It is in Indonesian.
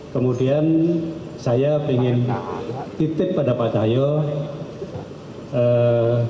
kemudian saya ingin titip pada pak cahyo